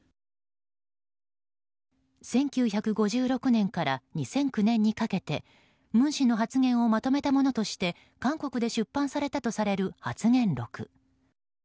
１９５６年から２００９年にかけて文氏の発言をまとめたものとして韓国で出版されたとされる発言録。